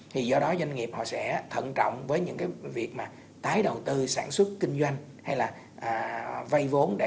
thì do đó doanh nghiệp họ sẽ thận trọng với những cái việc mà tái đầu tư sản xuất kinh doanh hay là vay vốn